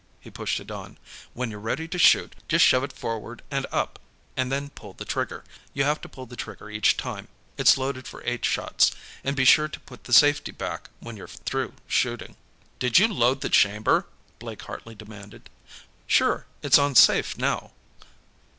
He pushed it on. "When you're ready to shoot, just shove it forward and up, and then pull the trigger. You have to pull the trigger each time; it's loaded for eight shots. And be sure to put the safety back when you're through shooting." "Did you load the chamber?" Blake Hartley demanded. "Sure. It's on safe, now."